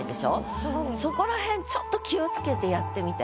そこらへんちょっと気をつけてやってみて。